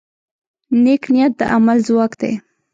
نیک نیت د عمل ځواک دی.